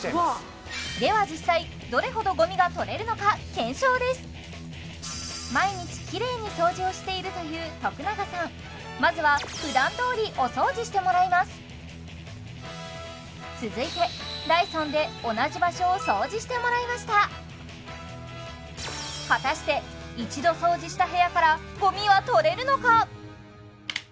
では実際どれほどゴミが取れるのか検証ですをしているという徳永さんまずはふだんどおりお掃除してもらいます続いてダイソンで同じ場所を掃除してもらいました果たして一度掃除した部屋からゴミは取れるのか？